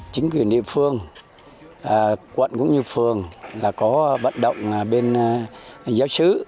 chính quyền địa phương quận cũng như phường là có vận động bên giáo sứ